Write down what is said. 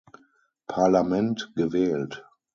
Parlament gewählt.